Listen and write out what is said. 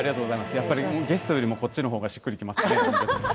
やっぱりゲストよりもこっちのほうがしっくりきますね。